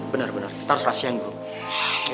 bener bener terserah siang dulu